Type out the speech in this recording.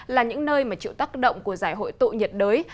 là những nơi mà chịu tác động của giải hội tụ nhiệt đới